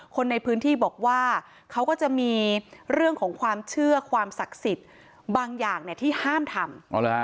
คนในพื้นที่บอกว่าเขาก็จะมีเรื่องของความเชื่อความศักดิ์สิทธิ์บางอย่างที่ห้ามทำ